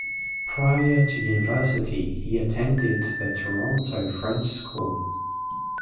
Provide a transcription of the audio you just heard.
Prior to university, he attended the Toronto French School.